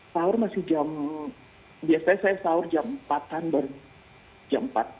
sahur masih jam biasanya saya sahur jam empat an berjam empat